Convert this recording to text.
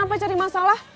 apa cari masalah